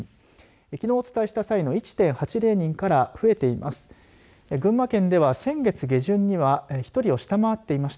きのうお伝えした際の１．８０人から増えています。